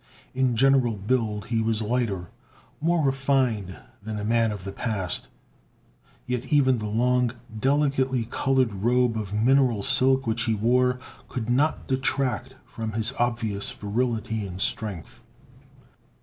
In general build he was lighter, more refined than a man of the past. Yet even the long, delicately colored robe of mineral silk which he wore could not detract from his obvious virility and strength.